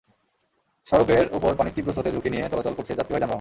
সড়কের ওপর পানির তীব্র স্রোতে ঝুঁকি নিয়ে চলাচল করছে যাত্রীবাহী যানবাহন।